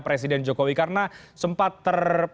presiden jokowi karena sempat